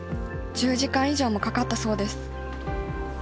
１０時間以上もかかったそうです。